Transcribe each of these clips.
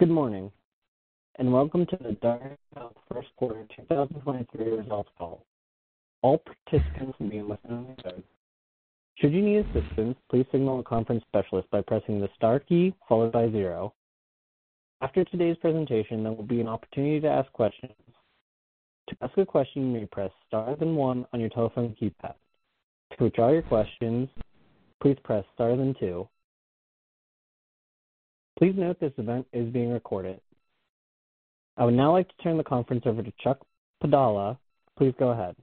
BMGood morning. Welcome to the DarioHealth Corp. first quarter 2023 results call. All participants will be listening only event. Should you need assistance, please signal a conference specialist by pressing the star key followed by zero. After today's presentation, there will be an opportunity to ask questions. To ask a question, you may press star then one on your telephone keypad. To withdraw your questions, please press star then two. Please note this event is being recorded. I would now like to turn the conference over to Chuck Padala. Please go ahead.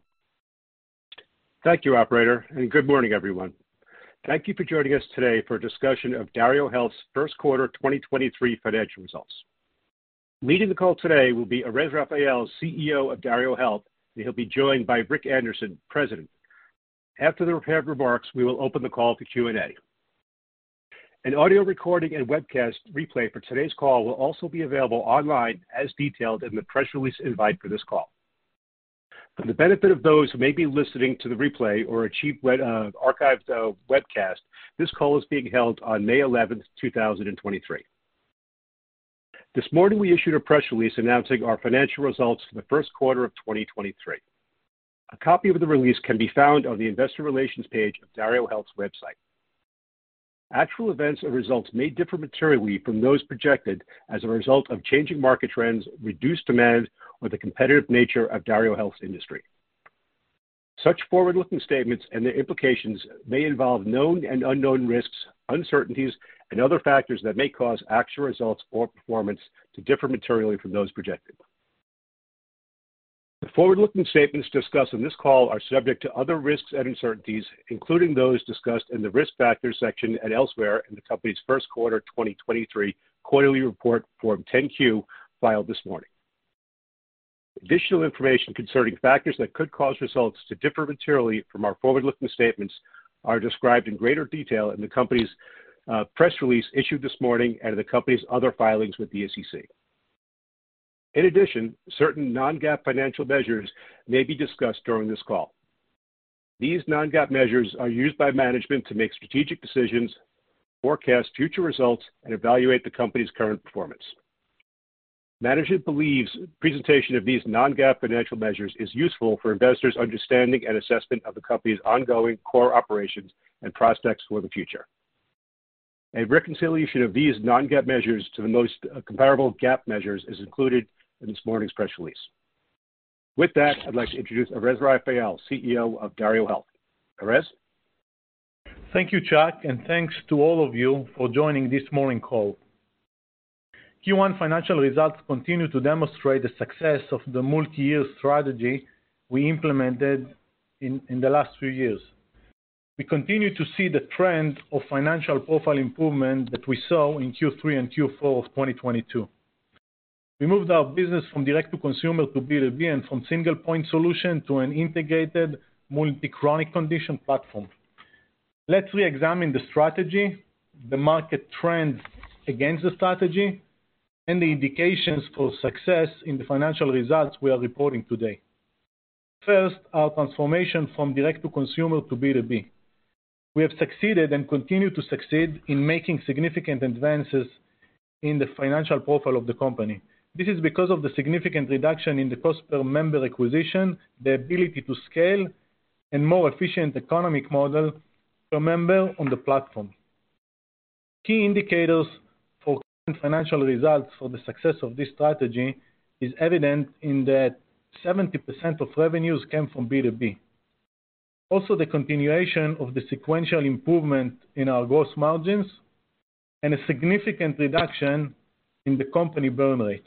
Thank you, operator, good morning, everyone. Thank you for joining us today for a discussion of DarioHealth's first quarter 2023 financial results. Leading the call today will be Erez Raphael, CEO of DarioHealth, and he'll be joined by Rick Anderson, President. After the prepared remarks, we will open the call to Q&A. An audio recording and webcast replay for today's call will also be available online as detailed in the press release invite for this call. For the benefit of those who may be listening to the replay or archived webcast, this call is being held on May 11, 2023. This morning, we issued a press release announcing our financial results for the first quarter of 2023. A copy of the release can be found on the investor relations page of DarioHealth's website. Actual events or results may differ materially from those projected as a result of changing market trends, reduced demand, or the competitive nature of DarioHealth's industry. Such forward-looking statements and the implications may involve known and unknown risks, uncertainties, and other factors that may cause actual results or performance to differ materially from those projected. The forward-looking statements discussed in this call are subject to other risks and uncertainties, including those discussed in the Risk Factors section and elsewhere in the company's first quarter 2023 quarterly report, Form 10-Q, filed this morning. Additional information concerning factors that could cause results to differ materially from our forward-looking statements are described in greater detail in the company's press release issued this morning and the company's other filings with the SEC. Certain non-GAAP financial measures may be discussed during this call. These non-GAAP measures are used by management to make strategic decisions, forecast future results, and evaluate the company's current performance. Management believes presentation of these non-GAAP financial measures is useful for investors' understanding and assessment of the company's ongoing core operations and prospects for the future. A reconciliation of these non-GAAP measures to the most comparable GAAP measures is included in this morning's press release. With that, I'd like to introduce Erez Raphael, CEO of DarioHealth. Erez? Thank you, Chuck, and thanks to all of you for joining this morning call. Q1 financial results continue to demonstrate the success of the multi-year strategy we implemented in the last few years. We continue to see the trend of financial profile improvement that we saw in Q3 and Q4 of 2022. We moved our business from direct to consumer to B2B, and from single point solution to an integrated multi-chronic condition platform. Let's reexamine the strategy, the market trends against the strategy, and the indications for success in the financial results we are reporting today. First, our transformation from direct to consumer to B2B. We have succeeded and continue to succeed in making significant advances in the financial profile of the company. This is because of the significant reduction in the cost per member acquisition, the ability to scale, and more efficient economic model per member on the platform. Key indicators for current financial results for the success of this strategy is evident in that 70% of revenues came from B2B. The continuation of the sequential improvement in our gross margins and a significant reduction in the company burn rate.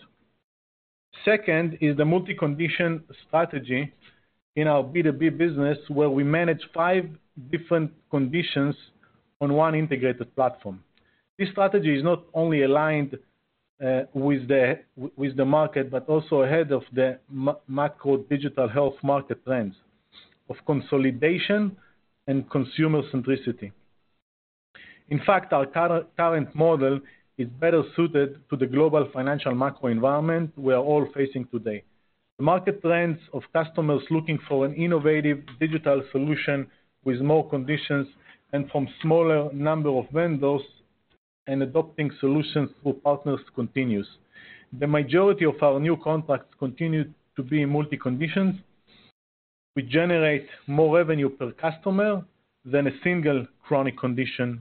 Second is the multi-condition strategy in our B2B business, where we manage five different conditions on one integrated platform. This strategy is not only aligned with the market, but also ahead of the macro digital health market trends of consolidation and consumer centricity. In fact, our current model is better suited to the global financial macro environment we are all facing today. The market trends of customers looking for an innovative digital solution with more conditions and from smaller number of vendors and adopting solutions through partners continues. The majority of our new contracts continue to be in multi-conditions. We generate more revenue per customer than a single chronic condition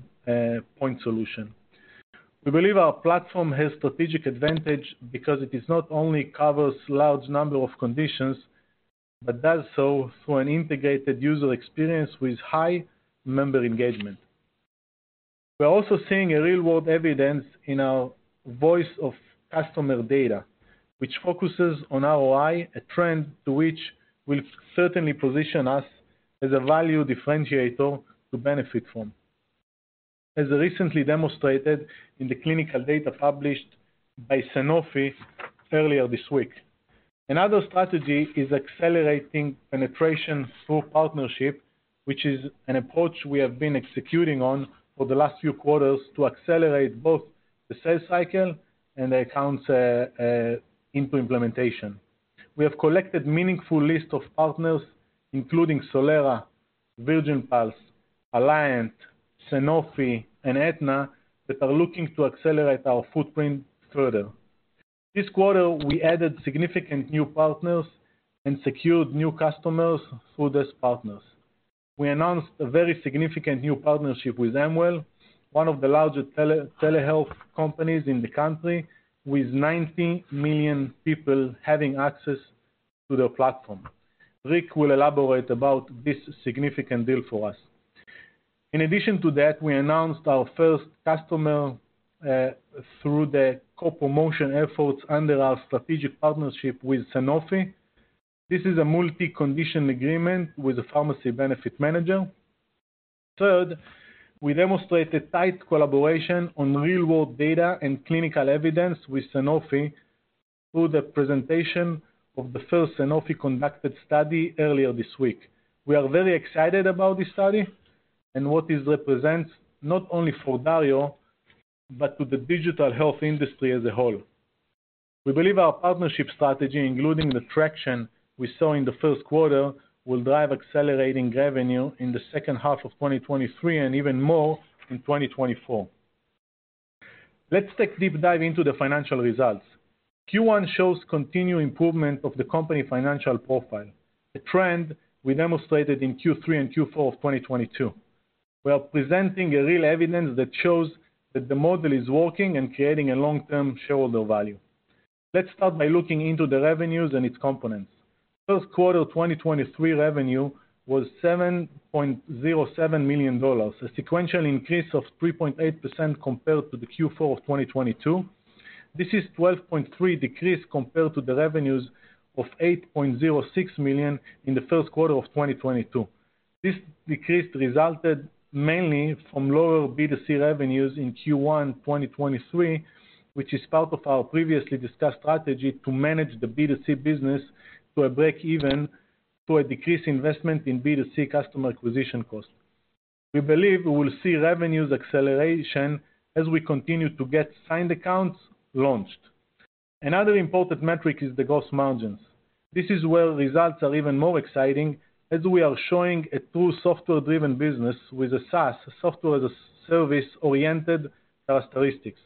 point solution. We believe our platform has strategic advantage because it is not only covers large number of conditions, but does so through an integrated user experience with high member engagement. We are also seeing a real-world evidence in our voice of customer data, which focuses on ROI, a trend to which will certainly position us as a value differentiator to benefit from, as recently demonstrated in the clinical data published by Sanofi earlier this week. Another strategy is accelerating penetration through partnership, which is an approach we have been executing on for the last few quarters to accelerate both the sales cycle and the accounts into implementation. We have collected meaningful list of partners, including Solera, Virgin Pulse, Alliant, Sanofi, and Aetna, that are looking to accelerate our footprint further. This quarter, we added significant new partners and secured new customers through these partners. We announced a very significant new partnership with Amwell, one of the largest telehealth companies in the country, with 90 million people having access to their platform. Rick will elaborate about this significant deal for us. In addition to that, we announced our first customer through the co-promotion efforts under our strategic partnership with Sanofi. This is a multi-condition agreement with the Pharmacy Benefit Manager. We demonstrated tight collaboration on real-world data and clinical evidence with Sanofi through the presentation of the first Sanofi-conducted study earlier this week. We are very excited about this study and what this represents, not only for Dario, but to the digital health industry as a whole. We believe our partnership strategy, including the traction we saw in the first quarter, will drive accelerating revenue in the second half of 2023 and even more in 2024. Let's take deep dive into the financial results. Q1 shows continued improvement of the company financial profile, a trend we demonstrated in Q3 and Q4 of 2022. We are presenting a real evidence that shows that the model is working and creating a long-term shareholder value. Let's start by looking into the revenues and its components. First quarter 2023 revenue was $7.07 million, a sequential increase of 3.8% compared to the Q4 of 2022. This is 12.3% decrease compared to the revenues of $8.06 million in the first quarter of 2022. This decrease resulted mainly from lower B2C revenues in Q1 2023, which is part of our previously discussed strategy to manage the B2C business to a break-even, to a decreased investment in B2C customer acquisition cost. We believe we will see revenues acceleration as we continue to get signed accounts launched. Another important metric is the gross margins. This is where results are even more exciting as we are showing a true software-driven business with a SaaS, a software-as-a-service-oriented characteristics.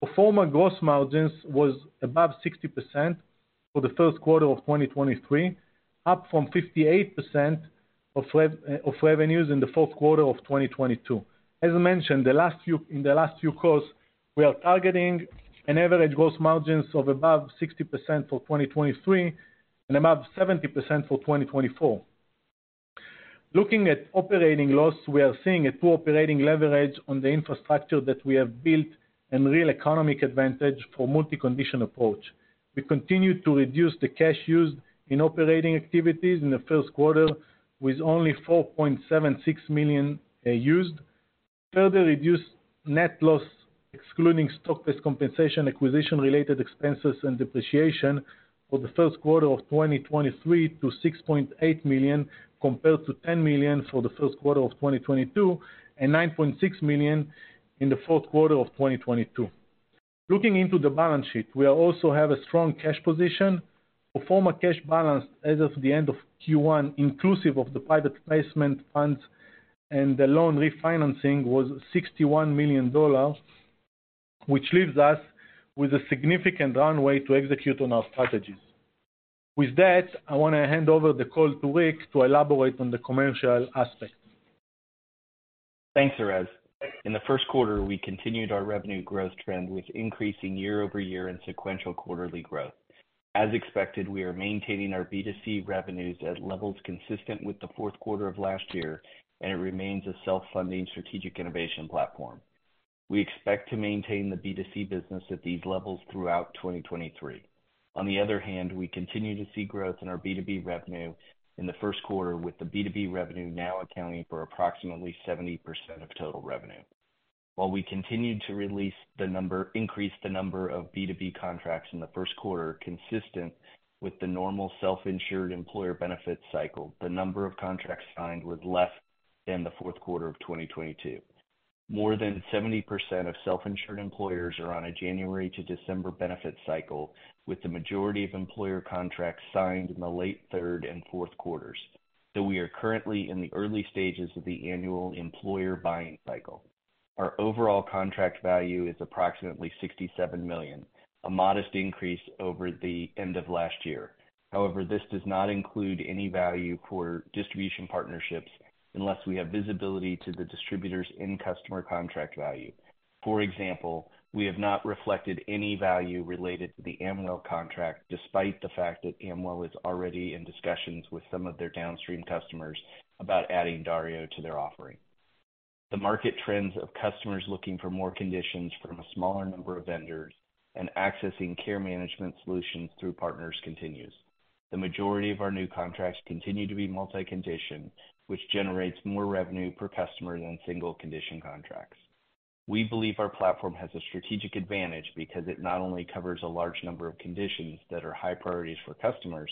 Pro forma gross margins was above 60% for the first quarter of 2023, up from 58% of revenues in the fourth quarter of 2022. As mentioned, in the last few calls, we are targeting an average gross margins of above 60% for 2023 and above 70% for 2024. Looking at operating loss, we are seeing a poor operating leverage on the infrastructure that we have built and real economic advantage for multi-condition approach. We continue to reduce the cash used in operating activities in the first quarter with only $4.76 million used. Further reduced net loss, excluding stock-based compensation, acquisition related expenses and depreciation for the first quarter of 2023 to $6.8 million, compared to $10 million for the first quarter of 2022, and $9.6 million in the fourth quarter of 2022. Looking into the balance sheet, we also have a strong cash position. Pro forma cash balance as of the end of Q1, inclusive of the private placement funds and the loan refinancing was $61 million, which leaves us with a significant runway to execute on our strategies. With that, I wanna hand over the call to Rick to elaborate on the commercial aspects. Thanks, Erez. In the first quarter, we continued our revenue growth trend with increasing year-over-year and sequential quarterly growth. As expected, we are maintaining our B2C revenues at levels consistent with the fourth quarter of last year, and it remains a self-funding strategic innovation platform. We expect to maintain the B2C business at these levels throughout 2023. On the other hand, we continue to see growth in our B2B revenue in the first quarter, with the B2B revenue now accounting for approximately 70% of total revenue. While we continued to increase the number of B2B contracts in the first quarter, consistent with the normal self-insured employer benefit cycle, the number of contracts signed was less than the fourth quarter of 2022. More than 70% of self-insured employers are on a January to December benefit cycle, with the majority of employer contracts signed in the late third and fourth quarters, that we are currently in the early stages of the annual employer buying cycle. Our overall contract value is approximately $67 million, a modest increase over the end of last year. This does not include any value for distribution partnerships unless we have visibility to the distributors in customer contract value. For example, we have not reflected any value related to the Amwell contract, despite the fact that Amwell is already in discussions with some of their downstream customers about adding Dario to their offering. The market trends of customers looking for more conditions from a smaller number of vendors and accessing care management solutions through partners continues. The majority of our new contracts continue to be multi-condition, which generates more revenue per customer than single-condition contracts. We believe our platform has a strategic advantage because it not only covers a large number of conditions that are high priorities for customers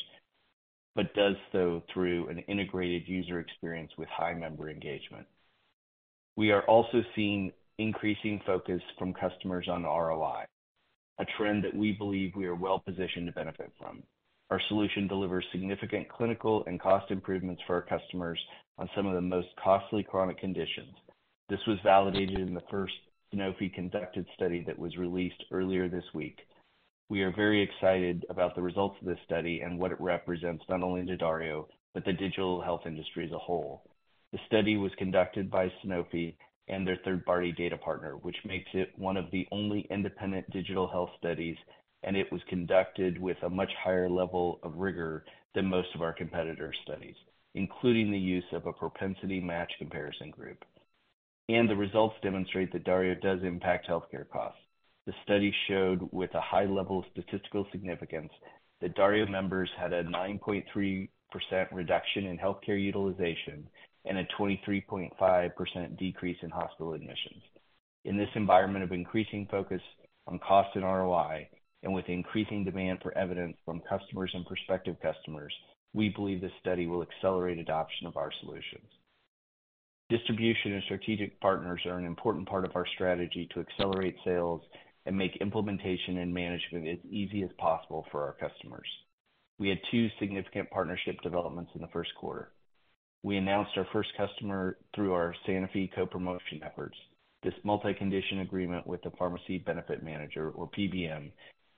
but does so through an integrated user experience with high member engagement. We are also seeing increasing focus from customers on ROI, a trend that we believe we are well-positioned to benefit from. Our solution delivers significant clinical and cost improvements for our customers on some of the most costly chronic conditions. This was validated in the first Sanofi-conducted study that was released earlier this week. We are very excited about the results of this study and what it represents, not only to Dario, but the digital health industry as a whole. The study was conducted by Sanofi and their third-party data partner, which makes it one of the only independent digital health studies. It was conducted with a much higher level of rigor than most of our competitors' studies, including the use of a propensity match comparison group. The results demonstrate that Dario does impact healthcare costs. The study showed, with a high level of statistical significance, that Dario members had a 9.3% reduction in healthcare utilization and a 23.5% decrease in hospital admissions. In this environment of increasing focus on cost and ROI, with increasing demand for evidence from customers and prospective customers, we believe this study will accelerate adoption of our solutions. Distribution and strategic partners are an important part of our strategy to accelerate sales and make implementation and management as easy as possible for our customers. We had two significant partnership developments in the first quarter. We announced our first customer through our Sanofi co-promotion efforts. This multi-condition agreement with the Pharmacy Benefit Manager, or PBM,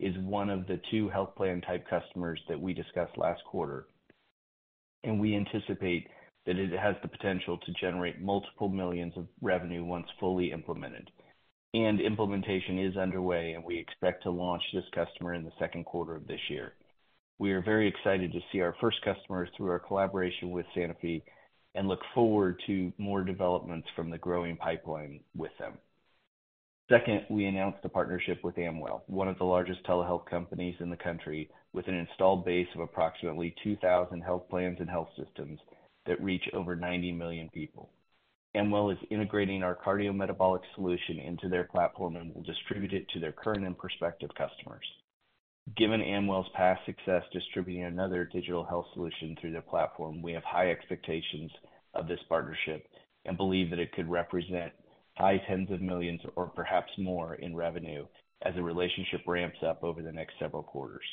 is one of the two health plan type customers that we discussed last quarter. We anticipate that it has the potential to generate multiple millions of revenue once fully implemented. Implementation is underway, and we expect to launch this customer in the second quarter of this year. We are very excited to see our first customers through our collaboration with Sanofi and look forward to more developments from the growing pipeline with them. Second, we announced a partnership with Amwell, one of the largest telehealth companies in the country, with an installed base of approximately 2,000 health plans and health systems that reach over 90 million people. Amwell is integrating our cardiometabolic solution into their platform and will distribute it to their current and prospective customers. Given Amwell's past success distributing another digital health solution through their platform, we have high expectations of this partnership and believe that it could represent high $10s of millions or perhaps more in revenue as the relationship ramps up over the next several quarters.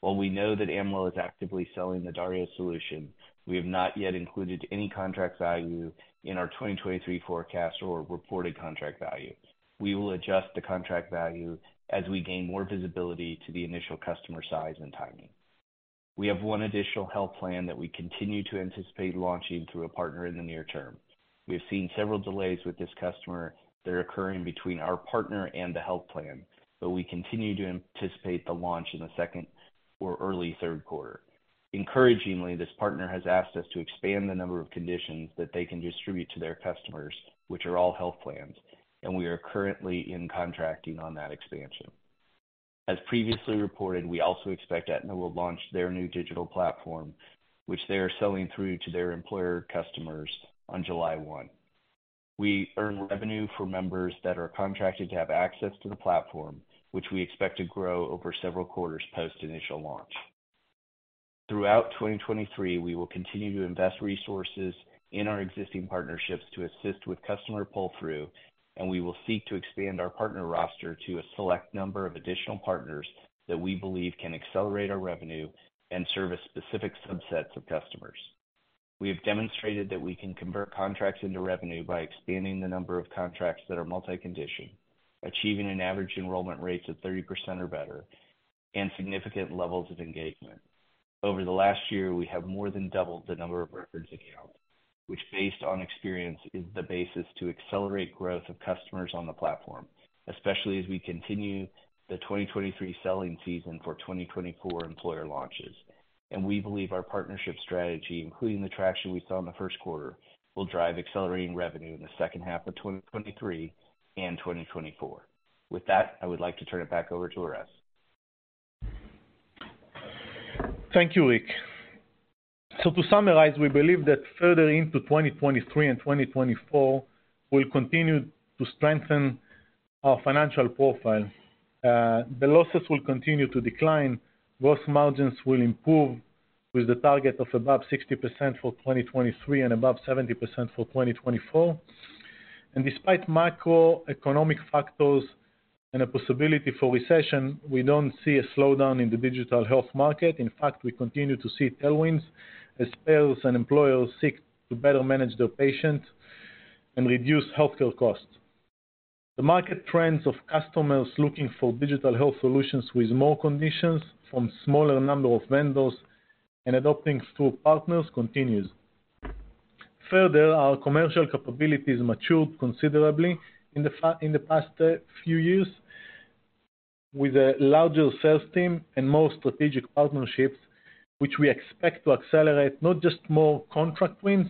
While we know that Amwell is actively selling the Dario solution, we have not yet included any contract value in our 2023 forecast or reported contract value. We will adjust the contract value as we gain more visibility to the initial customer size and timing. We have one additional health plan that we continue to anticipate launching through a partner in the near term. We have seen several delays with this customer that are occurring between our partner and the health plan. We continue to anticipate the launch in the second or early third quarter. Encouragingly, this partner has asked us to expand the number of conditions that they can distribute to their customers, which are all health plans. We are currently in contracting on that expansion. As previously reported, we also expect Aetna will launch their new digital platform, which they are selling through to their employer customers on July 1. We earn revenue for members that are contracted to have access to the platform, which we expect to grow over several quarters post initial launch. Throughout 2023, we will continue to invest resources in our existing partnerships to assist with customer pull-through. We will seek to expand our partner roster to a select number of additional partners that we believe can accelerate our revenue and service specific subsets of customers. We have demonstrated that we can convert contracts into revenue by expanding the number of contracts that are multi-condition, achieving an average enrollment rates of 30% or better, and significant levels of engagement. Over the last year, we have more than doubled the number of records accounts, which, based on experience, is the basis to accelerate growth of customers on the platform, especially as we continue the 2023 selling season for 2024 employer launches. We believe our partnership strategy, including the traction we saw in the first quarter, will drive accelerating revenue in the second half of 2023 and 2024. With that, I would like to turn it back over to Erez. Thank you, Rick. To summarize, we believe that further into 2023 and 2024, we'll continue to strengthen our financial profile. The losses will continue to decline. Gross margins will improve with the target of above 60% for 2023 and above 70% for 2024. Despite macroeconomic factors and a possibility for recession, we don't see a slowdown in the digital health market. In fact, we continue to see tailwinds as payers and employers seek to better manage their patients and reduce healthcare costs. The market trends of customers looking for digital health solutions with more conditions from smaller number of vendors and adopting through partners continues. Further, our commercial capabilities matured considerably in the past few years with a larger sales team and more strategic partnerships which we expect to accelerate not just more contract wins,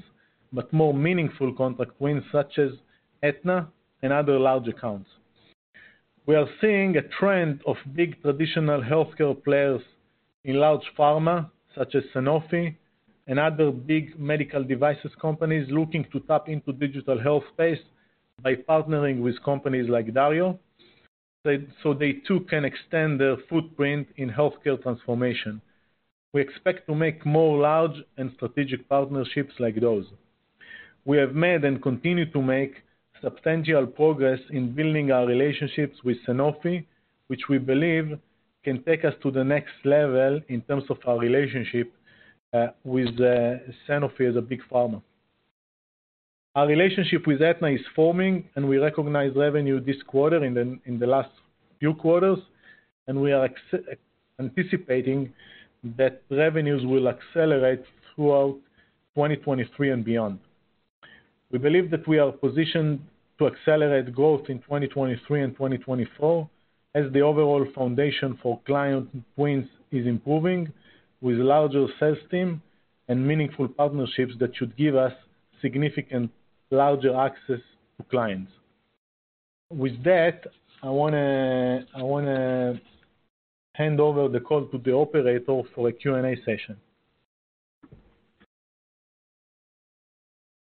but more meaningful contract wins such as Aetna and other large accounts. We are seeing a trend of big traditional healthcare players in large pharma, such as Sanofi and other big medical devices companies looking to tap into digital health space by partnering with companies like Dario, so they too can extend their footprint in healthcare transformation. We expect to make more large and strategic partnerships like those. We have made and continue to make substantial progress in building our relationships with Sanofi, which we believe can take us to the next level in terms of our relationship, with Sanofi as a big pharma. Our relationship with Aetna is forming. We recognize revenue this quarter in the last few quarters. We are anticipating that revenues will accelerate throughout 2023 and beyond. We believe that we are positioned to accelerate growth in 2023 and 2024 as the overall foundation for client wins is improving with larger sales team and meaningful partnerships that should give us significant larger access to clients. With that, I wanna hand over the call to the operator for a Q&A session.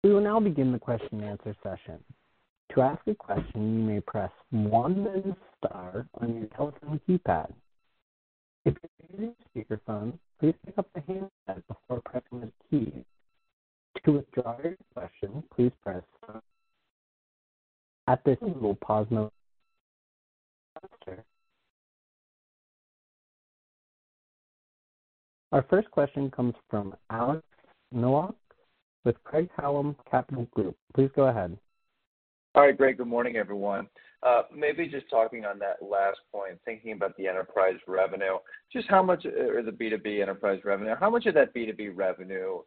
We will now begin the question and answer session. To ask a question, you may press one then star on your telephone keypad. If you are using speakerphone, please pick up the handset before pressing the key. To withdraw your question, please press. At this time, we'll pause moment. Our first question comes from Alex Nowak with Craig-Hallum Capital Group. Please go ahead. All right, great. Good morning, everyone. Maybe just talking on that last point, thinking about the enterprise revenue, just how much is the B2B enterprise revenue? How much of that B2B revenue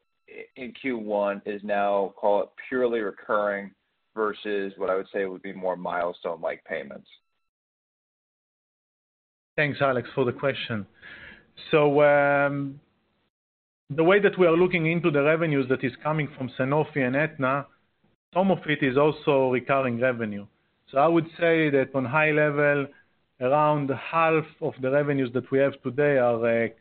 in Q1 is now, call it, purely recurring versus what I would say would be more milestone-like payments? Thanks, Alex, for the question. The way that we are looking into the revenues that is coming from Sanofi and Aetna, some of it is also recurring revenue. I would say that on high level, around half of the revenues that we have today are, like,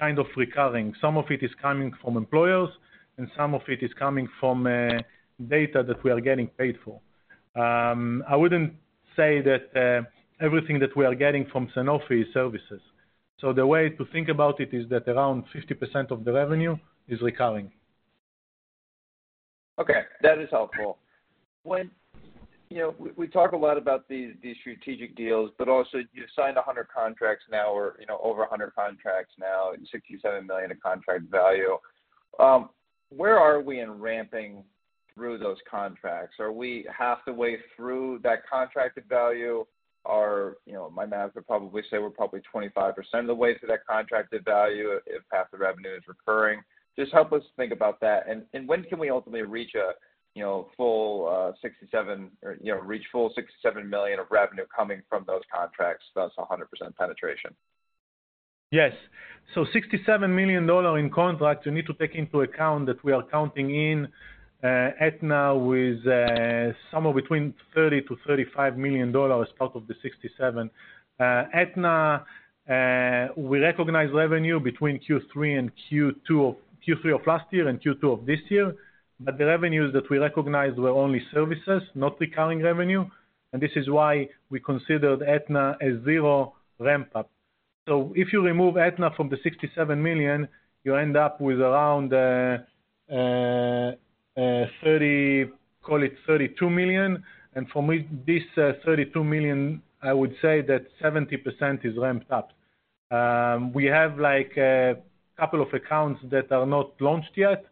kind of recurring. Some of it is coming from employers, and some of it is coming from data that we are getting paid for. I wouldn't say that everything that we are getting from Sanofi is services. The way to think about it is that around 50% of the revenue is recurring. Okay. That is helpful. When, you know, we talk a lot about these strategic deals, but also you signed 100 contracts now or, you know, over 100 contracts now and $67 million in contract value. Where are we in ramping through those contracts? Are we half the way through that contracted value? You know, my math would probably say we're probably 25% of the way through that contracted value if half the revenue is recurring. Just help us think about that. When can we ultimately reach a, you know, full $67 million or, you know, reach full $67 million of revenue coming from those contracts, thus 100% penetration? Yes, $67 million in contracts, you need to take into account that we are counting in Aetna with somewhere between $30 million-$35 million out of the 67. Aetna, we recognize revenue between Q3 of last year and Q2 of this year. The revenues that we recognized were only services, not recurring revenue, and this is why we considered Aetna a zero ramp-up. If you remove Aetna from the $67 million, you end up with around, call it $32 million. From this $32 million, I would say that 70% is ramped up. We have, like, a couple of accounts that are not launched yet.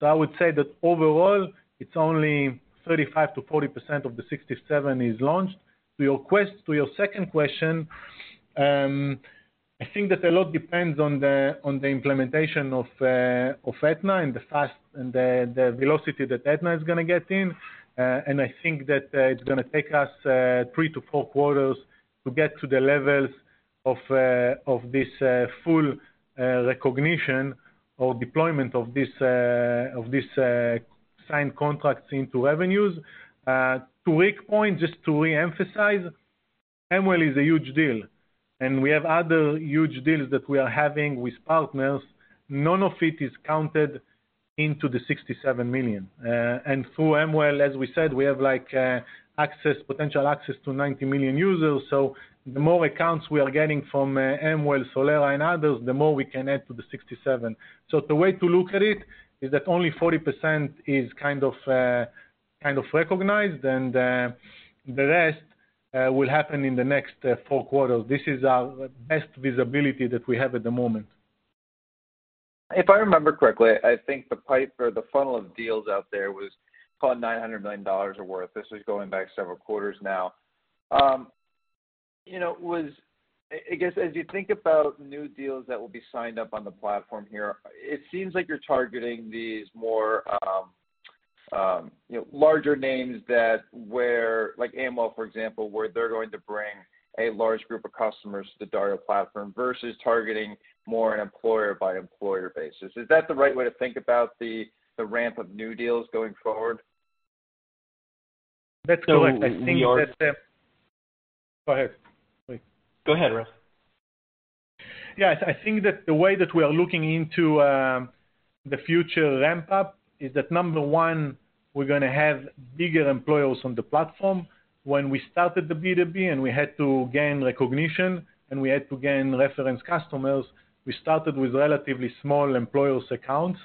I would say that overall, it's only 35%-40% of the 67 is launched. To your second question, I think that a lot depends on the implementation of Aetna and the velocity that Aetna is gonna get in. I think that it's gonna take us three to four quarters to get to the levels of this full recognition or deployment of this signed contracts into revenues. To Rick's point, just to reemphasize, Amwell is a huge deal, and we have other huge deals that we are having with partners. None of it is counted into the $67 million. Through Amwell, as we said, we have, like, potential access to 90 million users. The more accounts we are getting from Amwell, Solera and others, the more we can add to the $67. The way to look at it is that only 40% is kind of, kind of recognized, and the rest will happen in the next four quarters. This is our best visibility that we have at the moment. If I remember correctly, I think the pipe or the funnel of deals out there was called $900 million of worth. This is going back several quarters now. You know, I guess as you think about new deals that will be signed up on the platform here, it seems like you're targeting these more, you know, larger names that where like Amwell, for example, where they're going to bring a large group of customers to the Dario platform versus targeting more an employer by employer basis. Is that the right way to think about the ramp of new deals going forward? That's correct. I think that. So we are- Go ahead, Raf. Yes, I think that the way that we are looking into the future ramp up is that number one, we're gonna have bigger employers on the platform. When we started the B2B and we had to gain recognition and we had to gain reference customers, we started with relatively small employers accounts,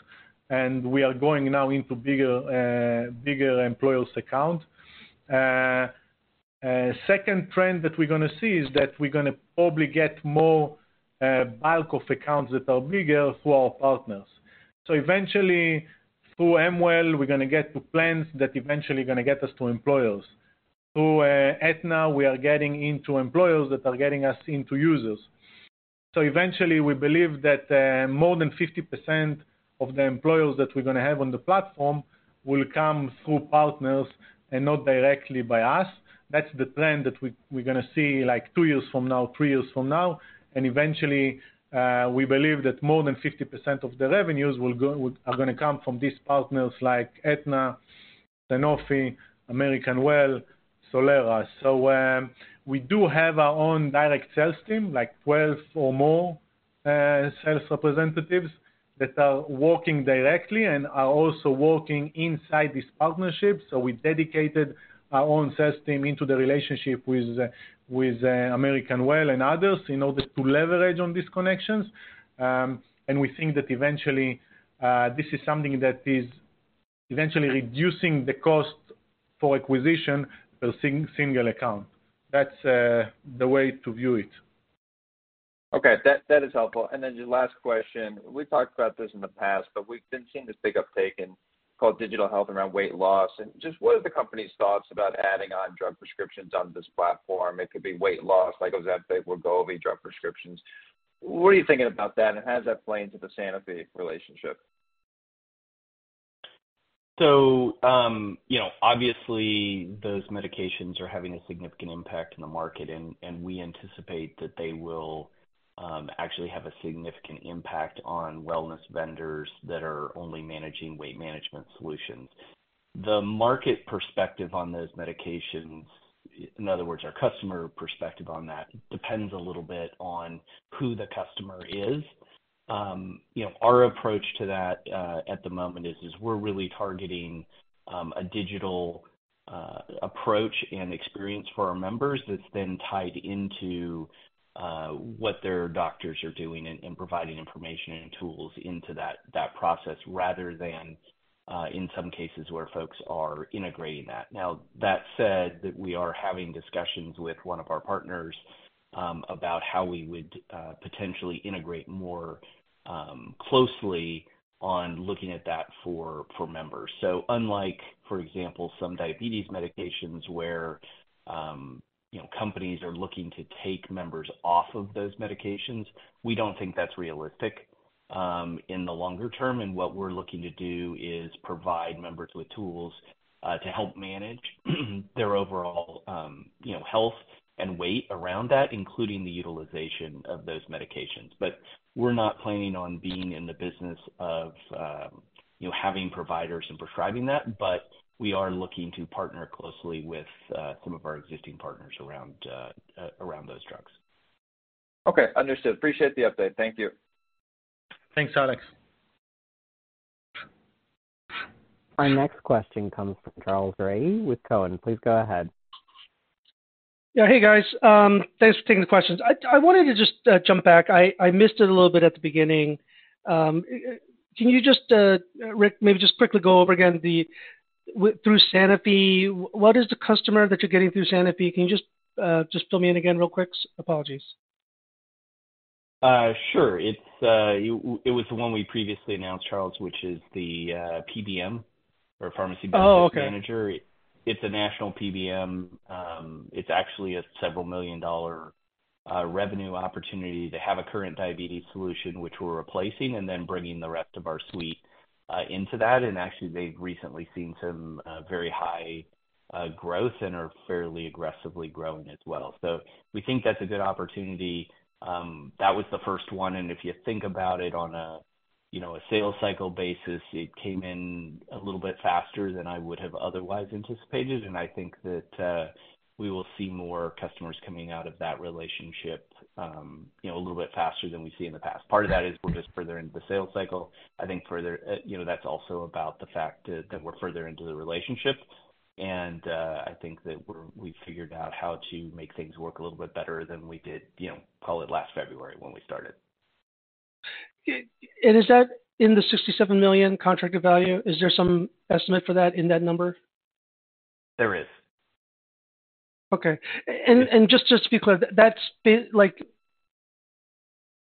and we are going now into bigger employers account. Second trend that we're gonna see is that we're gonna probably get more bulk of accounts that are bigger through our partners. Eventually, through Amwell, we're gonna get to plans that eventually gonna get us to employers. Through Aetna, we are getting into employers that are getting us into users. Eventually, we believe that more than 50% of the employers that we're gonna have on the platform will come through partners and not directly by us. That's the plan that we're gonna see like two years from now, three years from now. Eventually, we believe that more than 50% of the revenues are gonna come from these partners like Aetna, Sanofi, Amwell, Solera. We do have our own direct sales team, like 12 or more sales representatives that are working directly and are also working inside these partnerships. We dedicated our own sales team into the relationship with Amwell and others in order to leverage on these connections. We think that eventually, this is something that is eventually reducing the cost for acquisition per single account. That's the way to view it. Okay. That is helpful. The last question, we talked about this in the past, but we've been seeing this big uptake in called digital health around weight loss. Just what are the company's thoughts about adding on drug prescriptions on this platform? It could be weight loss, like Ozempic, Wegovy drug prescriptions. What are you thinking about that, and how does that play into the Sanofi relationship? You know, obviously those medications are having a significant impact in the market, and we anticipate that they will actually have a significant impact on wellness vendors that are only managing weight management solutions. The market perspective on those medications, in other words, our customer perspective on that depends a little bit on who the customer is. You know, our approach to that at the moment is, we're really targeting a digital approach and experience for our members that's then tied into what their doctors are doing and providing information and tools into that process rather than in some cases where folks are integrating that. That said, that we are having discussions with one of our partners about how we would potentially integrate more closely on looking at that for members. Unlike, for example, some diabetes medications where, you know, companies are looking to take members off of those medications, we don't think that's realistic, in the longer term. What we're looking to do is provide members with tools, to help manage their overall, you know, health and weight around that, including the utilization of those medications. We're not planning on being in the business of, you know, having providers and prescribing that, but we are looking to partner closely with, some of our existing partners around those drugs. Okay, understood. Appreciate the update. Thank you. Thanks, Alex. Our next question comes from Charles Rhyee with Cowen. Please go ahead. Hey, guys. Thanks for taking the questions. I wanted to just jump back. I missed it a little bit at the beginning. Can you just, Rick, maybe just quickly go over again with through Sanofi, what is the customer that you're getting through Sanofi? Can you just fill me in again real quick? Apologies. Sure. It's it was the one we previously announced, Charles, which is the PBM or Pharmacy Benefits- Oh, okay. It's a national PBM. It's actually a several million dollar revenue opportunity. They have a current diabetes solution, which we're replacing and then bringing the rest of our suite into that. Actually, they've recently seen some very high growth and are fairly aggressively growing as well. We think that's a good opportunity. That was the first one, and if you think about it on a, you know, a sales cycle basis, it came in a little bit faster than I would have otherwise anticipated. I think that we will see more customers coming out of that relationship, you know, a little bit faster than we see in the past. Part of that is we're just further into the sales cycle. I think further, you know, that's also about the fact that we're further into the relationship. I think that we've figured out how to make things work a little bit better than we did, you know, call it last February when we started. Is that in the $67 million contracted value? Is there some estimate for that in that number? There is. Okay. Just to be clear, that's been like,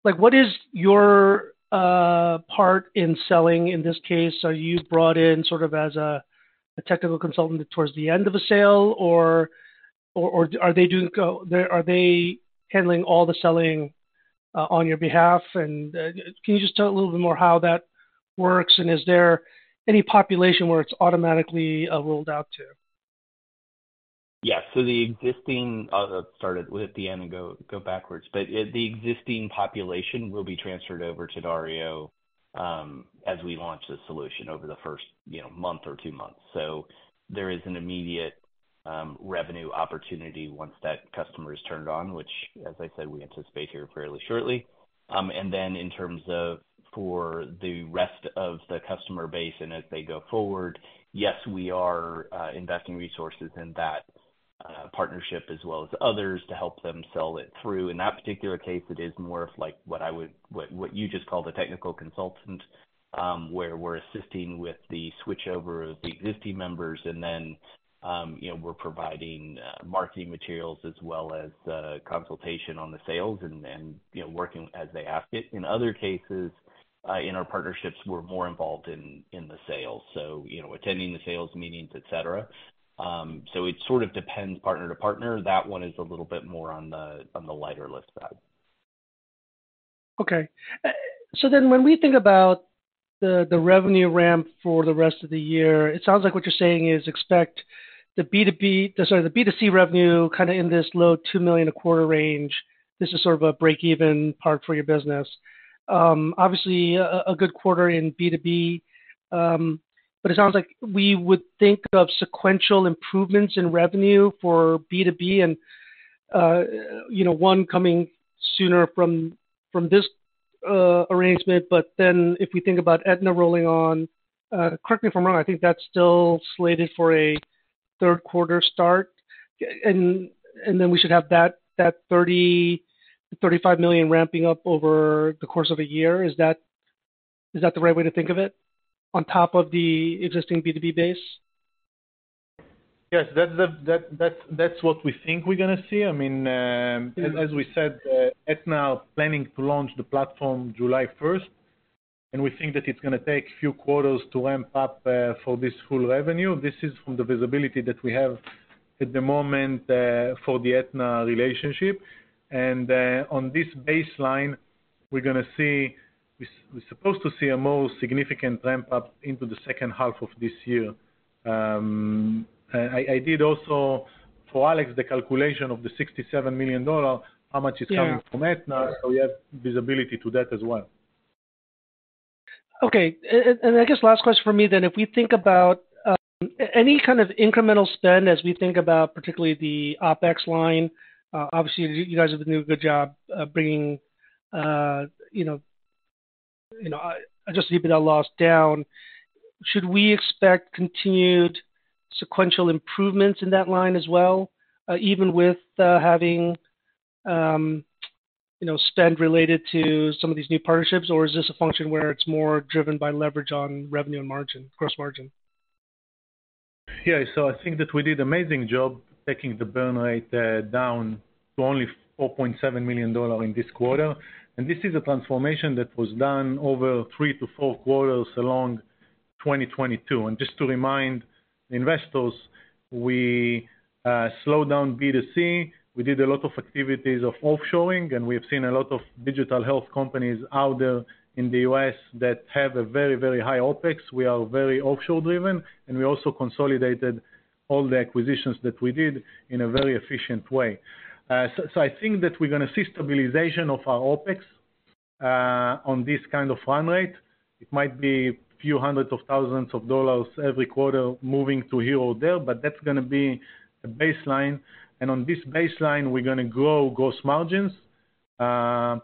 what is your part in selling in this case? Are you brought in sort of as a technical consultant towards the end of a sale or are they handling all the selling on your behalf? Can you just tell a little bit more how that works? Is there any population where it's automatically ruled out to? Yes. The existing I'll start it with the end and go backwards. The existing population will be transferred over to Dario as we launch the solution over the first month or two months. There is an immediate revenue opportunity once that customer is turned on, which as I said, we anticipate here fairly shortly. In terms of for the rest of the customer base and as they go forward, yes, we are investing resources in that partnership as well as others to help them sell it through. In that particular case, it is more of like what you just called a technical consultant, where we're assisting with the switchover of the existing members, and then, you know, we're providing marketing materials as well as consultation on the sales and, you know, working as they ask it. In other cases, in our partnerships, we're more involved in the sales, so, you know, attending the sales meetings, et cetera. It sort of depends partner to partner. That one is a little bit more on the, on the lighter lift side. Okay. When we think about the revenue ramp for the rest of the year, it sounds like what you're saying is expect the B2B-- Sorry, the B2C revenue kinda in this low $2 million a quarter range. This is sort of a break-even part for your business. Obviously a good quarter in B2B. It sounds like we would think of sequential improvements in revenue for B2B and, you know, one coming sooner from this arrangement. If we think about Aetna rolling on, correct me if I'm wrong, I think that's still slated for a third quarter start. Then we should have that $30 million-$35 million ramping up over the course of a year. Is that the right way to think of it on top of the existing B to B base? Yes. That's what we think we're gonna see. I mean, as we said, Aetna are planning to launch the platform July first, we think that it's gonna take a few quarters to ramp up for this full revenue. This is from the visibility that we have at the moment for the Aetna relationship. On this baseline, we're supposed to see a more significant ramp up into the second half of this year. I did also, for Alex, the calculation of the $67 million, how much is coming from Aetna, we have visibility to that as well. Okay. I guess last question from me then, if we think about any kind of incremental spend as we think about particularly the OpEx line, obviously you guys have been doing a good job, you know, bringing adjusted EBITDA loss down. Should we expect continued sequential improvements in that line as well, even with having, you know, spend related to some of these new partnerships? Is this a function where it's more driven by leverage on revenue and margin, gross margin? Yeah. I think that we did amazing job taking the burn rate down to only $4.7 million in this quarter. This is a transformation that was done over three to four quarters along 2022. Just to remind investors, we slowed down B2C. We did a lot of activities of offshoring, and we have seen a lot of digital health companies out there in the U.S. that have a very, very high OpEx. We are very offshore-driven, and we also consolidated all the acquisitions that we did in a very efficient way. I think that we're gonna see stabilization of our OpEx on this kind of run rate. It might be few hundreds of thousands of dollars every quarter moving to here or there, but that's gonna be the baseline. On this baseline, we're gonna grow gross margins. On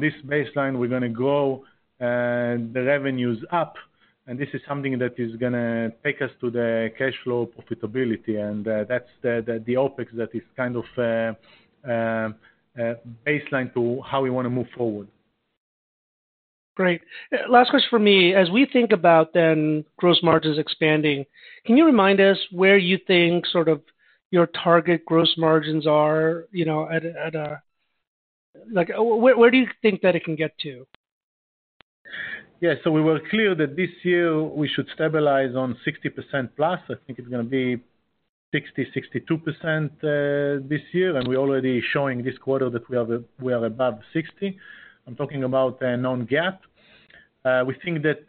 this baseline we're gonna grow the revenues up, and this is something that is gonna take us to the cash flow profitability. That's the OpEx that is kind of baseline to how we wanna move forward. Great. Last question from me. As we think about then gross margins expanding, can you remind us where you think sort of your target gross margins are, you know, Like where do you think that it can get to? Yeah. We were clear that this year we should stabilize on 60% plus. I think it's gonna be 60%-62%, this year, and we're already showing this quarter that we are, we are above 60. I'm talking about non-GAAP. We think that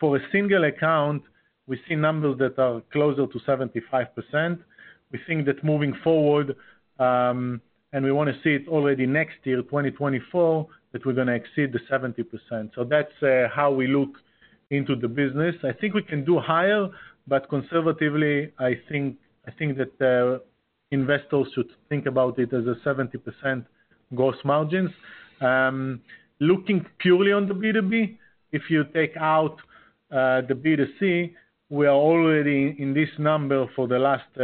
for a single account, we see numbers that are closer to 75%. We think that moving forward, and we wanna see it already next year, 2024, that we're gonna exceed the 70%. That's how we look into the business. I think we can do higher, but conservatively, I think, I think that investors should think about it as a 70% gross margins. Looking purely on the B2B, if you take out the B2C, we are already in this number for the last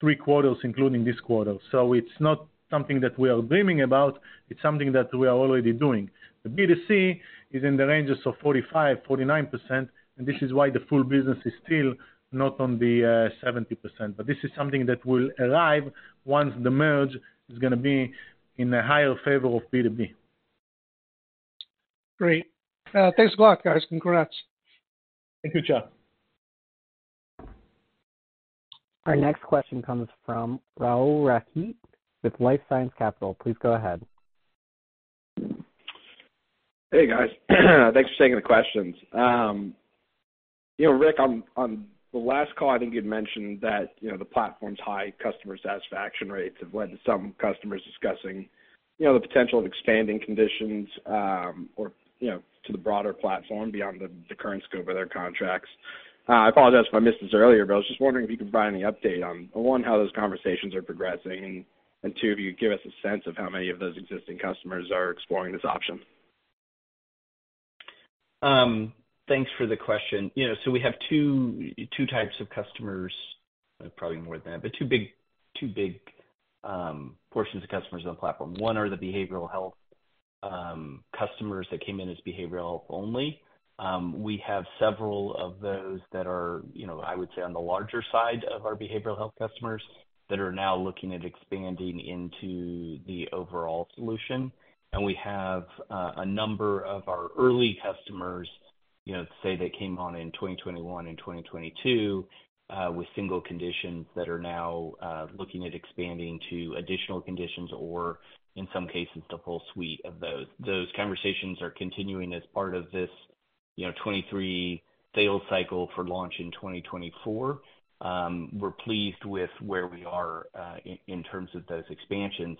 three quarters, including this quarter. It's not something that we are dreaming about, it's something that we are already doing. The B2C is in the ranges of 45%-49%, and this is why the full business is still not on the 70%. This is something that will arrive once the merge is gonna be in a higher favor of B2B. Great. Thanks a lot, guys. Congrats. Thank you, John. Our next question comes from Rahul Rakhit with LifeSci Capital. Please go ahead. Hey, guys. Thanks for taking the questions. you know, Rick, on the last call, I think you'd mentioned that, you know, the platform's high customer satisfaction rates have led to some customers discussing, you know, the potential of expanding conditions, or, you know, to the broader platform beyond the current scope of their contracts. I apologize if I missed this earlier, but I was just wondering if you could provide any update on, one, how those conversations are progressing. Two, if you could give us a sense of how many of those existing customers are exploring this option. Thanks for the question. You know, we have two types of customers. There's probably more than that, but two big portions of customers on the platform. One are the behavioral health customers that came in as behavioral health only. We have several of those that are, you know, I would say on the larger side of our behavioral health customers that are now looking at expanding into the overall solution. We have a number of our early customers, you know, say, that came on in 2021 and 2022, with single conditions that are now looking at expanding to additional conditions or in some cases the full suite of those. Those conversations are continuing as part of this, you know, 2023 sales cycle for launch in 2024. We're pleased with where we are in terms of those expansions.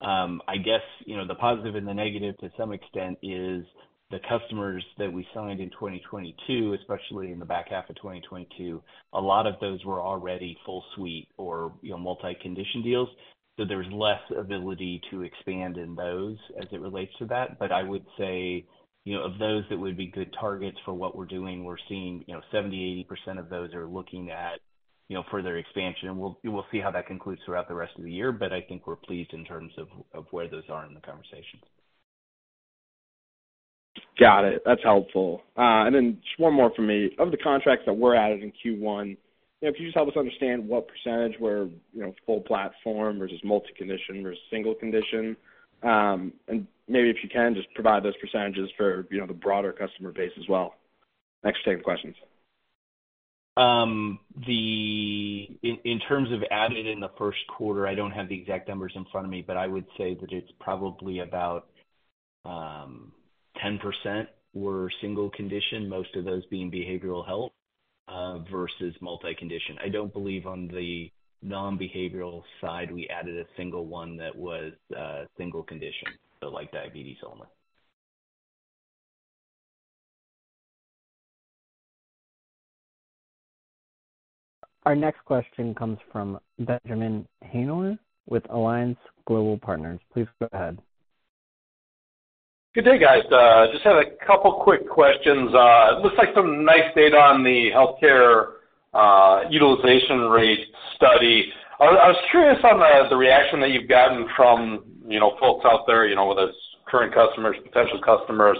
I guess, you know, the positive and the negative to some extent is the customers that we signed in 2022, especially in the back half of 2022, a lot of those were already full suite or, you know, multi-condition deals. There's less ability to expand in those as it relates to that. I would say, you know, of those that would be good targets for what we're doing, we're seeing, you know, 70%, 80% of those are looking at, you know, further expansion. We will see how that concludes throughout the rest of the year, but I think we're pleased in terms of where those are in the conversations. Got it. That's helpful. Just one more for me. Of the contracts that were added in Q1, you know, if you just help us understand what percentage were, you know, full platform versus multi-condition versus single condition. Maybe if you can just provide those percentages for, you know, the broader customer base as well. Next set of questions. In terms of added in the first quarter, I don't have the exact numbers in front of me, but I would say that it's probably about 10% were single condition, most of those being behavioral health versus multi-condition. I don't believe on the non-behavioral side we added a single one that was single condition, so like diabetes only. Our next question comes from Benjamin Haynor with Alliance Global Partners. Please go ahead. Good day, guys. Just have a couple quick questions. It looks like some nice data on the healthcare utilization rate study. I was curious on the reaction that you've gotten from, you know, folks out there, you know, whether it's current customers, potential customers,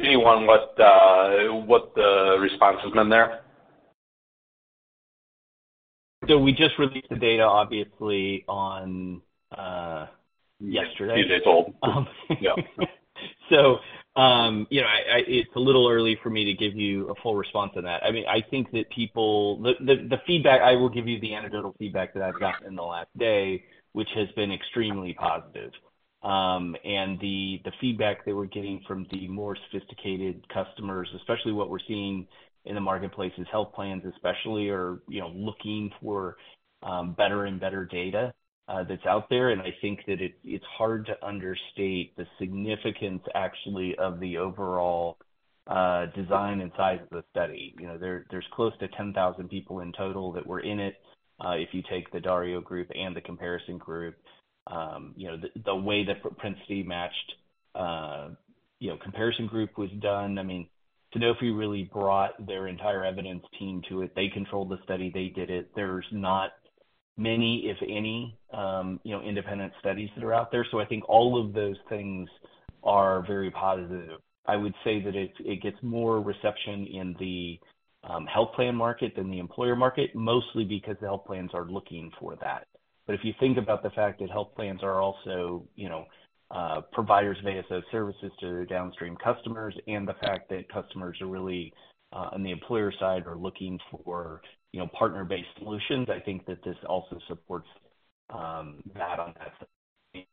anyone, what the response has been there? We just released the data obviously on, yesterday. Two days old. Um, Yeah. you know, it's a little early for me to give you a full response on that. I mean, I think that people. The feedback I will give you the anecdotal feedback that I've gotten in the last day, which has been extremely positive. The feedback that we're getting from the more sophisticated customers, especially what we're seeing in the marketplace is health plans especially are, you know, looking for better and better data that's out there. I think that it's hard to understate the significance actually of the overall design and size of the study. You know, there's close to 10,000 people in total that were in it if you take the Dario group and the comparison group. You know, the way the propensity match, you know, comparison group was done. I mean, Sanofi really brought their entire evidence team to it. They controlled the study. They did it. There's not many, if any, you know, independent studies that are out there. I think all of those things are very positive. I would say that it gets more reception in the health plan market than the employer market, mostly because the health plans are looking for that. If you think about the fact that health plans are also, you know, providers of ASO services to their downstream customers and the fact that customers are really on the employer side are looking for, you know, partner-based solutions, I think that this also supports that on that side.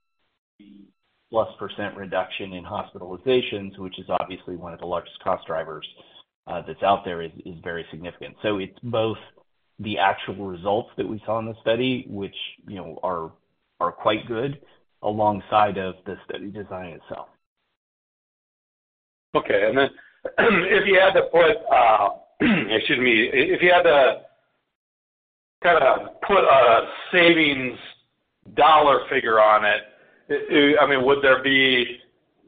The less percentage reduction in hospitalizations, which is obviously one of the largest cost drivers that's out there is very significant. It's both the actual results that we saw in the study, which, you know, are quite good alongside of the study design itself. Okay. If you had to put, excuse me, if you had to kinda put a savings dollar figure on it, I mean, would there be,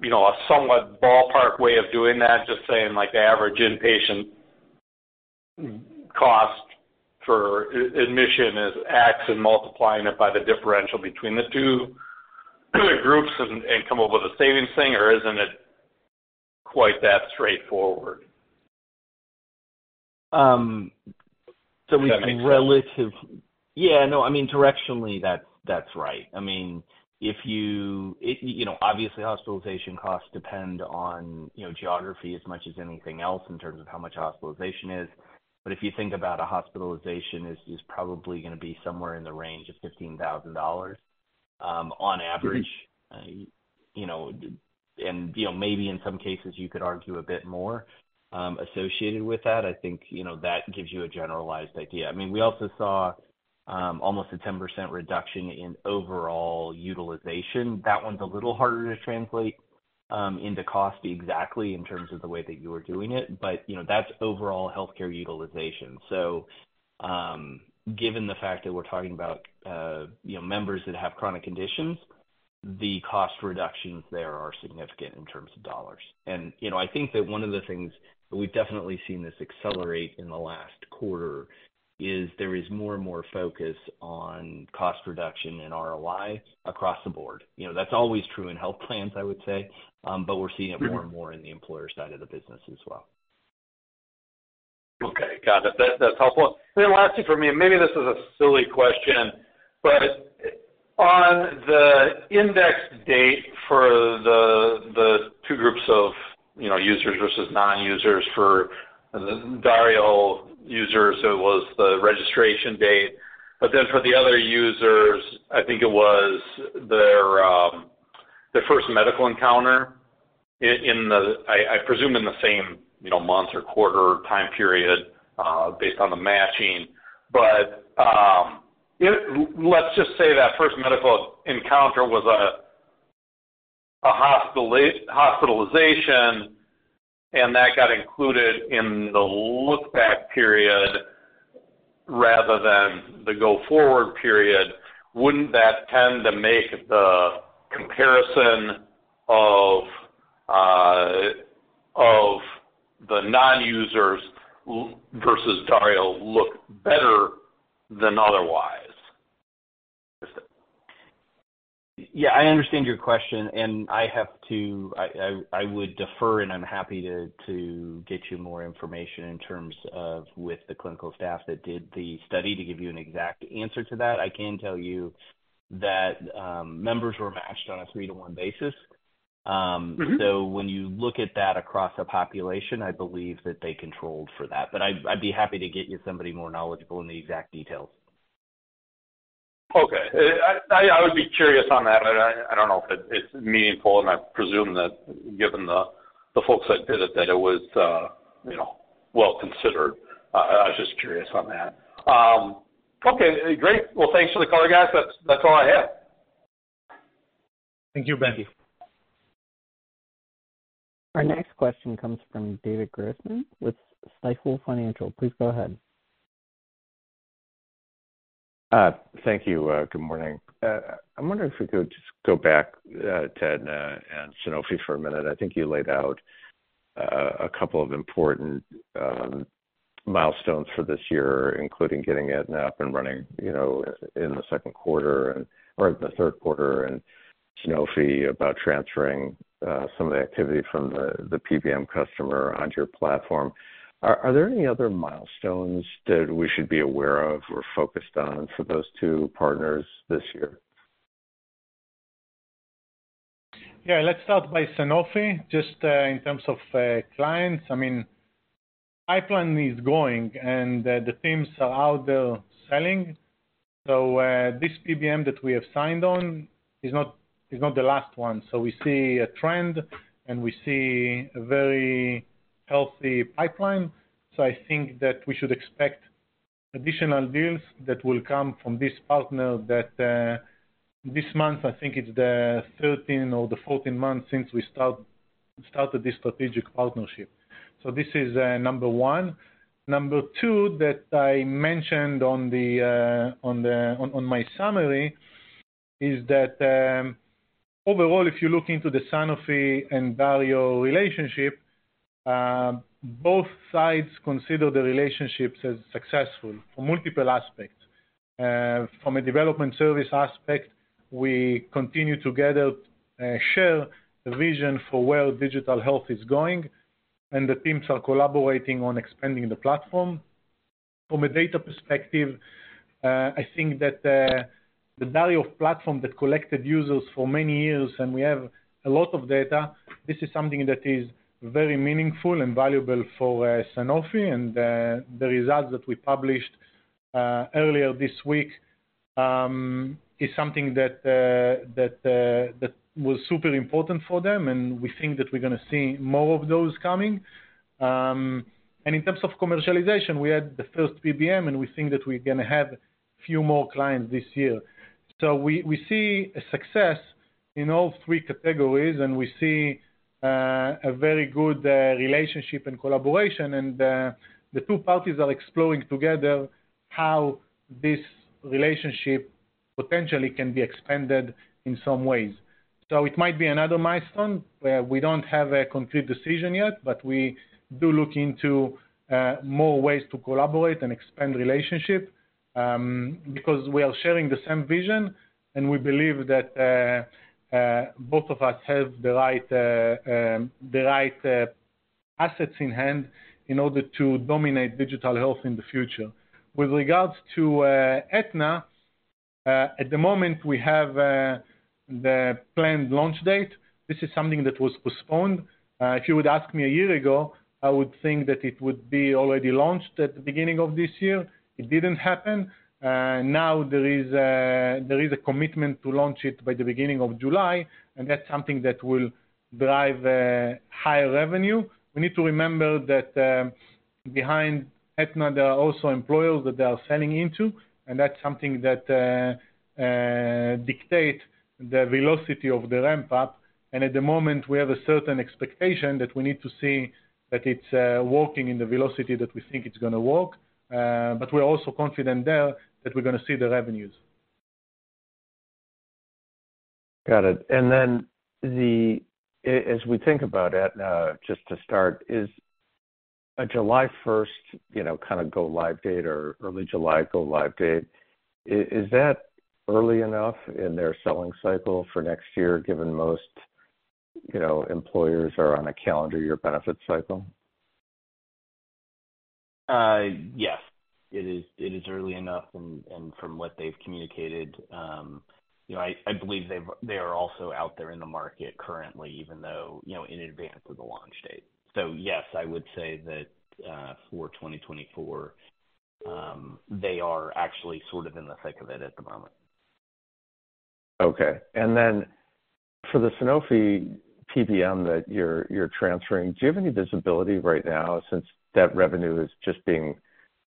you know, a somewhat ballpark way of doing that? Just saying like the average inpatient cost for admission is X and multiplying it by the differential between the two groups and come up with a savings thing, or isn't it quite that straightforward? a relative- If that makes sense. Yeah, no. I mean, directionally, that's right. I mean, if you you know, obviously, hospitalization costs depend on, you know, geography as much as anything else in terms of how much a hospitalization is. If you think about a hospitalization is probably gonna be somewhere in the range of $15,000 on average. You know, and, you know, maybe in some cases you could argue a bit more associated with that. I think, you know, that gives you a generalized idea. I mean, we also saw almost a 10% reduction in overall utilization. That one's a little harder to translate into cost exactly in terms of the way that you are doing it, but, you know, that's overall healthcare utilization. Given the fact that we're talking about, you know, members that have chronic conditions, the cost reductions there are significant in terms of dollars. You know, I think that one of the things, we've definitely seen this accelerate in the last quarter, is there is more and more focus on cost reduction and ROI across the board. You know, that's always true in health plans, I would say, but we're seeing it more and more in the employer side of the business as well. Okay. Got it. That's helpful. Lastly for me, maybe this is a silly question, on the index date for the two groups of, you know, users versus non-users for the Dario users, it was the registration date. For the other users, I think it was their first medical encounter in the same, you know, month or quarter time period, based on the matching. Let's just say that first medical encounter was a hospitalization and that got included in the look back period rather than the go forward period, wouldn't that tend to make the comparison of the non-users versus Dario look better than otherwise? Yeah, I understand your question, I would defer, and I'm happy to get you more information in terms of with the clinical staff that did the study to give you an exact answer to that. I can tell you that members were matched on a three-one basis. Mm-hmm. When you look at that across a population, I believe that they controlled for that. I'd be happy to get you somebody more knowledgeable in the exact details. Okay. I would be curious on that. I don't know if it's meaningful, and I presume that given the folks that did it, that it was, you know, well considered. I was just curious on that. Okay, great. Well, thanks for the color, guys. That's all I have. Thank you, Ben. Our next question comes from David Grossman with Stifel Financial. Please go ahead. Thank you. Good morning. I'm wondering if we could just go back, Ted and Sanofi for a minute. I think you laid out a couple of important milestones for this year, including getting Aetna up and running, you know, in the second quarter or in the third quarter, and Sanofi about transferring some of the activity from the PBM customer onto your platform. Are there any other milestones that we should be aware of or focused on for those two partners this year? Let's start by Sanofi. Just in terms of clients, I mean, pipeline is going, and the teams are out there selling. This PBM that we have signed on is not the last one. We see a trend, and we see a very healthy pipeline. I think that we should expect additional deals that will come from this partner that this month, I think it's the 13 or 14 months since we started this strategic partnership. This is number one. Number two that I mentioned on my summary is that, overall, if you look into the Sanofi and Dario relationship, both sides consider the relationships as successful for multiple aspects. From a development service aspect, we continue together share the vision for where digital health is going, and the teams are collaborating on expanding the platform. From a data perspective, I think that the Dario platform that collected users for many years and we have a lot of data, this is something that is very meaningful and valuable for Sanofi, and the results that we published earlier this week is something that was super important for them, and we think that we're gonna see more of those coming. In terms of commercialization, we had the first PBM, and we think that we're gonna have few more clients this year. We see a success in all three categories, and we see a very good relationship and collaboration, and the two parties are exploring together how this relationship potentially can be expanded in some ways. It might be another milestone where we don't have a complete decision yet, but we do look into more ways to collaborate and expand relationship, because we are sharing the same vision, and we believe that both of us have the right assets in hand in order to dominate digital health in the future. With regards to Aetna, at the moment, we have the planned launch date. This is something that was postponed. If you would ask me a year ago, I would think that it would be already launched at the beginning of this year. It didn't happen. Now there is a commitment to launch it by the beginning of July. That's something that will drive higher revenue. We need to remember that behind Aetna, there are also employers that they are selling into. That's something that dictate the velocity of the ramp-up. At the moment, we have a certain expectation that we need to see that it's working in the velocity that we think it's gonna work. We're also confident there that we're gonna see the revenues. Got it. As we think about Aetna, just to start, is a July first, you know, kinda go live date or early July go live date, is that early enough in their selling cycle for next year, given most, you know, employers are on a calendar year benefit cycle? Yes, it is, it is early enough and from what they've communicated, you know, I believe they are also out there in the market currently, even though, you know, in advance of the launch date. Yes, I would say that, for 2024, they are actually sort of in the thick of it at the moment. Okay. Then for the Sanofi PBM that you're transferring, do you have any visibility right now since that revenue is just being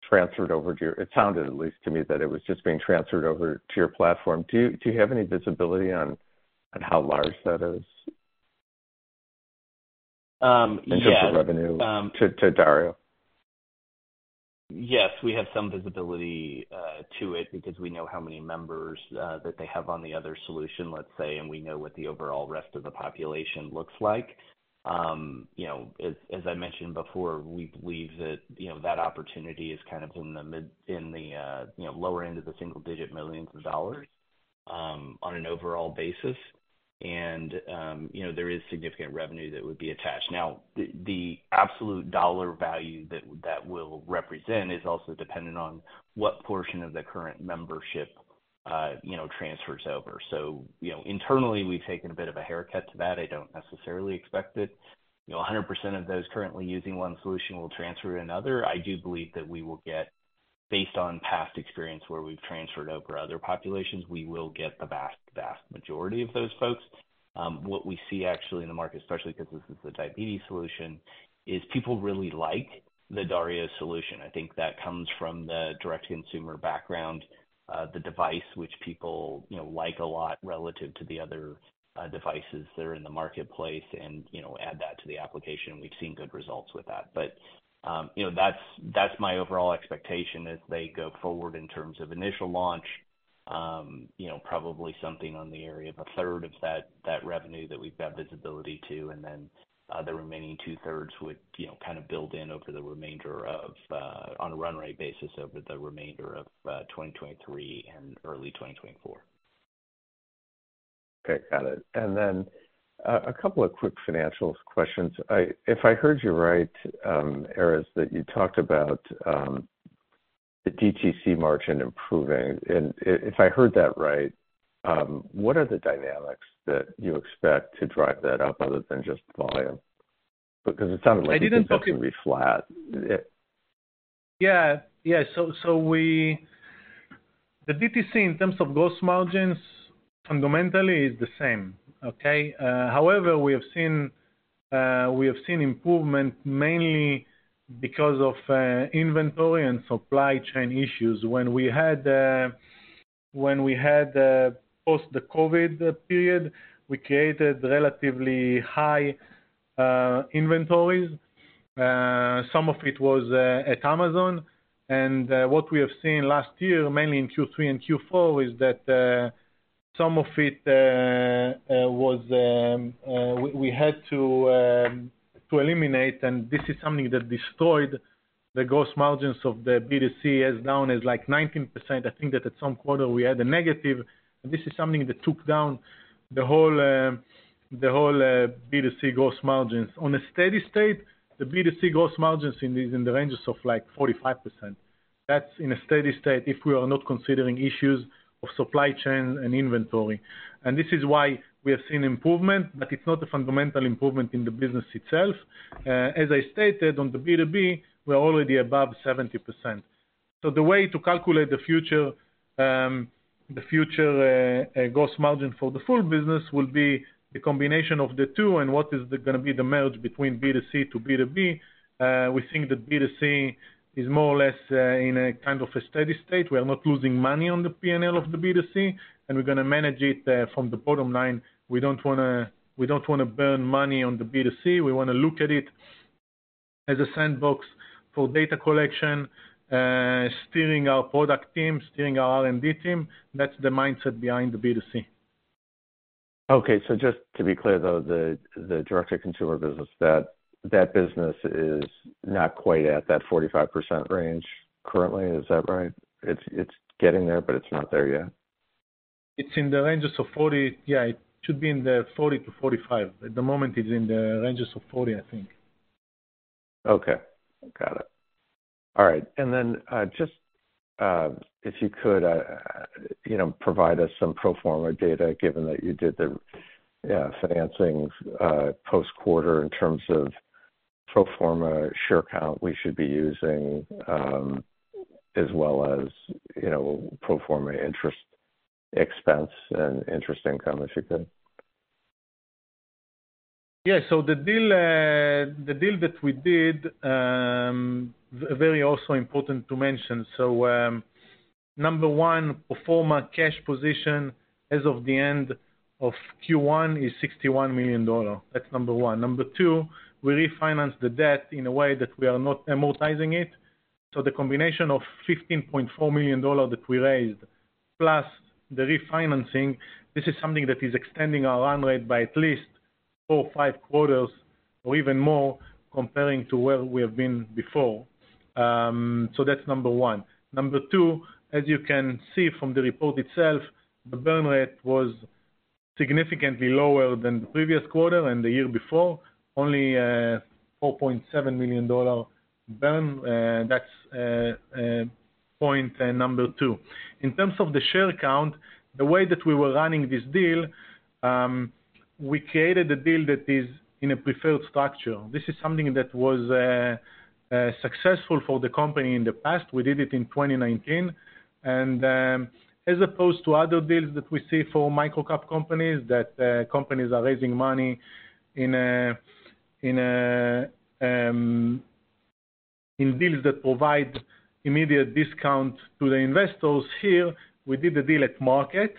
transferred over to your. It sounded, at least to me, that it was just being transferred over to your platform. Do you have any visibility on how large that is? Yeah. in terms of revenue, to Dario? Yes. We have some visibility to it because we know how many members that they have on the other solution, let's say, and we know what the overall rest of the population looks like. You know, as I mentioned before, we believe that, you know, that opportunity is kind of in the lower end of the single digit millions of dollars on an overall basis. You know, there is significant revenue that would be attached. Now, the absolute dollar value that that will represent is also dependent on what portion of the current membership, you know, transfers over. You know, internally, we've taken a bit of a haircut to that. I don't necessarily expect it. You know, 100% of those currently using one solution will transfer to another. I do believe that we will get, based on past experience where we've transferred over other populations, we will get the vast majority of those folks. What we see actually in the market, especially 'cause this is the diabetes solution, is people really like the Dario solution. I think that comes from the direct-to-consumer background, the device which people, you know, like a lot relative to the other, devices that are in the marketplace and, you know, add that to the application. We've seen good results with that. You know, that's my overall expectation as they go forward in terms of initial launch, you know, probably something on the area of a third of that revenue that we've got visibility to. The remaining 2/3 would, you know, kind of build in over the remainder of, on a run rate basis over the remainder of 2033 and early 2024. Okay. Got it. A couple of quick financials questions. If I heard you right, Erez, that you talked about the DTC margin improving, and if I heard that right, what are the dynamics that you expect to drive that up other than just volume? Because it sounded like- I didn't talk-... it was going to be flat. Yeah. The DTC, in terms of gross margins, fundamentally is the same, okay. However, we have seen, we have seen improvement mainly because of inventory and supply chain issues. When we had, when we had post the COVID period, we created relatively high inventories. Some of it was at Amazon. What we have seen last year, mainly in Q3 and Q4, is that some of it was we had to eliminate, and this is something that destroyed the gross margins of the B2C as down as, like, 19%. I think that at some quarter we had a negative. This is something that took down the whole, the whole B2C gross margins. On a steady state, the B2C gross margins in the ranges of, like, 45%. That's in a steady state if we are not considering issues of supply chain and inventory. This is why we have seen improvement, but it's not a fundamental improvement in the business itself. As I stated on the B2B, we're already above 70%. The way to calculate the future, the future gross margin for the full business will be the combination of the two and what is gonna be the merge between B2C to B2B. We think that B2C is more or less in a kind of a steady state. We are not losing money on the P&L of the B2C, and we're gonna manage it from the bottom line. We don't wanna burn money on the B2C. We wanna look at it as a sandbox for data collection, steering our product team, steering our R&D team. That's the mindset behind the B2C. Okay. Just to be clear, though, the direct-to-consumer business, that business is not quite at that 45% range currently. Is that right? It's getting there, but it's not there yet. It's in the ranges of 40. Yeah, it should be in the 40-45. At the moment, it's in the ranges of 40, I think. Okay. Got it. All right. Just, you know, provide us some pro forma data, given that you did the financings post-quarter in terms of pro forma share count we should be using, as well as, you know, pro forma interest expense and interest income, if you could. Yeah. The deal, the deal that we did, very also important to mention. Number one, pro forma cash position as of the end of Q1 is $61 million. That's number one. Number two, we refinance the debt in a way that we are not amortizing it. The combination of $15.4 million that we raised plus the refinancing, this is something that is extending our run rate by at least four or five quarters or even more comparing to where we have been before. That's number one. Number two, as you can see from the report itself, the burn rate was significantly lower than the previous quarter and the year before, only $4.7 million burn. That's point number two. In terms of the share count, the way that we were running this deal, we created a deal that is in a preferred structure. This is something that was successful for the company in the past. We did it in 2019. As opposed to other deals that we see for microcap companies, that companies are raising money in deals that provide immediate discount to the investors. Here, we did the deal at market,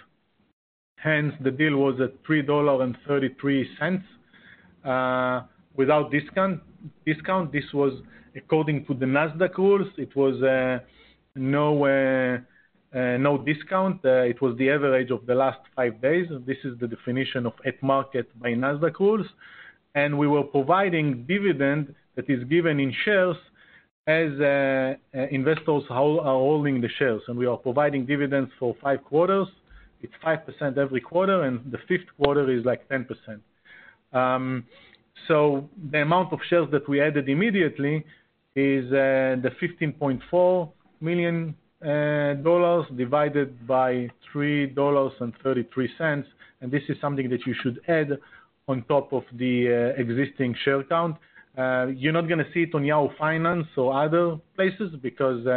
hence the deal was at $3.33, without discount. This was according to the Nasdaq rules. It was no discount. It was the average of the last five days. This is the definition of at market by Nasdaq rules. We were providing dividend that is given in shares as investors are holding the shares. We are providing dividends for five quarters. It's 5% every quarter, and the fifth quarter is like 10%. The amount of shares that we added immediately is $15.4 million divided by $3.33, and this is something that you should add on top of the existing share count. You're not gonna see it on Yahoo Finance or other places because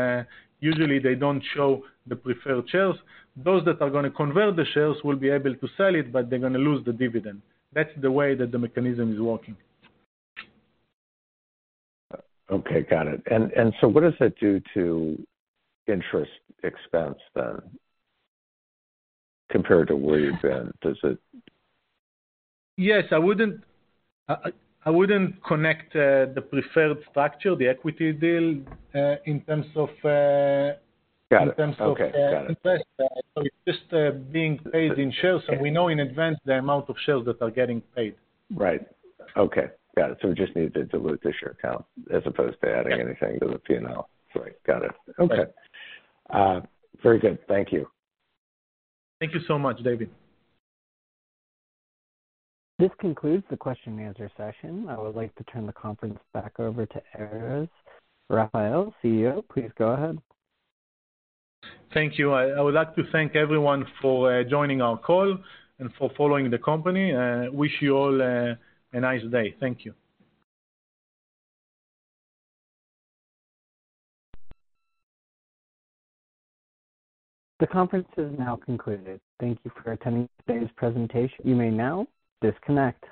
usually they don't show the preferred shares. Those that are gonna convert the shares will be able to sell it, but they're gonna lose the dividend. That's the way that the mechanism is working. Okay. Got it. What does that do to interest expense then, compared to where you've been? Yes. I wouldn't, I wouldn't connect, the preferred structure, the equity deal, in terms of. Got it. Okay. Got it.... in terms of interest. It's just being paid in shares, and we know in advance the amount of shares that are getting paid. Right. Okay. Got it. We just need to dilute the share count as opposed to adding anything to the P&L. Right. Got it. Okay. Very good. Thank you. Thank you so much, David. This concludes the question and answer session. I would like to turn the conference back over to Erez Raphael, CEO. Please go ahead. Thank you. I would like to thank everyone for joining our call and for following the company. Wish you all a nice day. Thank you. The conference is now concluded. Thank you for attending today's presentation. You may now disconnect.